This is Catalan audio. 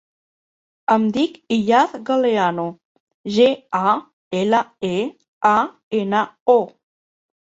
Em dic Iyad Galeano: ge, a, ela, e, a, ena, o.